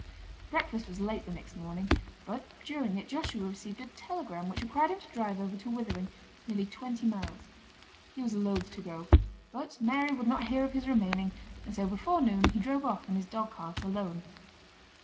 Breakfast was late the next morning, but during it Joshua received a telegram which required him to drive over to Withering, nearly twenty miles. He was loth to go; but Mary would not hear of his remaining, and so before noon he drove off in his dog cart alone.